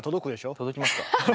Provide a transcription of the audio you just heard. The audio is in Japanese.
届きますか？